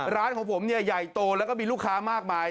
ร้านของผมเนี่ยใหญ่โตแล้วก็มีลูกค้ามากมาย